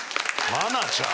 愛菜ちゃん。